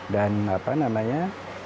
dan apa namanya